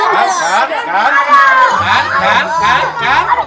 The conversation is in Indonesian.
kan kan kan kan kan kan kan